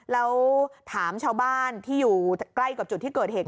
แล้วถามชาวบ้านที่อยู่ใกล้กับจุดที่เกิดเหตุ